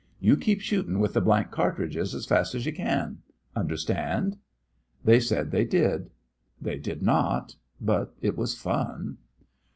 You keep shooting with the blank cartridges as fast as you can. Understand?" They said they did. They did not. But it was fun.